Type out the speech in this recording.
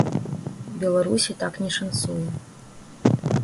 Беларусі так не шанцуе.